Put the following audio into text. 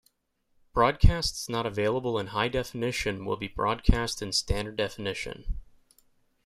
Broadcasts not available in high definition will be broadcast in standard definition.